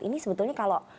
ini sebetulnya kalau